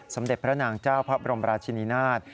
สมเด็จพระนางเจ้าพระบรมราชินินาศ